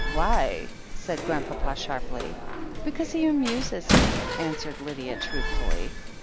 "Why?" said Grandpapa sharply. "Because he amuses me," answered Lydia truthfully.